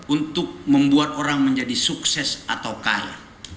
untuk membuat orang menjadi sukses atau kaya